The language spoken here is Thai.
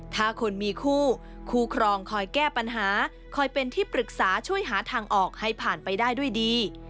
ถ้าคนมีคู่คู่ครองคอยแก้ปัญหาคอยเป็นที่ปรึกษาช่วยหาทางออกให้ผ่านไปได้ด้วยดี